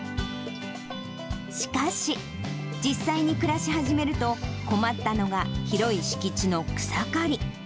しかし、実際に暮らし始めると困ったのが、広い敷地の草刈り。